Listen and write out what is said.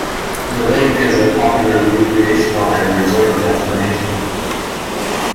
The lake is a popular recreational and resort destination.